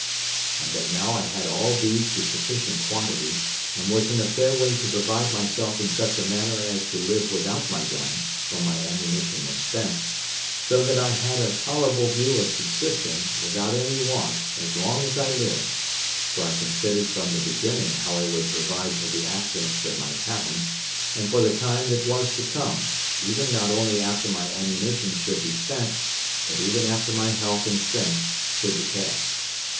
and that now I had all these to sufficient quantity, and was in a fair way to provide myself in such a manner as to live without my gun, when my ammunition was spent: so that I had a tolerable view of subsisting, without any want, as long as I lived; for I considered from the beginning how I would provide for the accidents that might happen, and for the time that was to come, even not only after my ammunition should be spent, but even after my health and strength should decay.